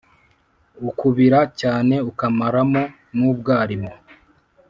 Ukubira cyane ukamaramo n’ubwalimo.